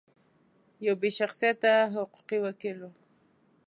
یو بې شخصیته حقوقي وکیل و.